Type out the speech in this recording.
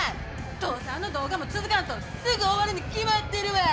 どうせ、あの動画も続かんとすぐ終わるに決まってるわ。